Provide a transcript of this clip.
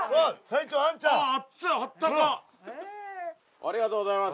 ありがとうございます。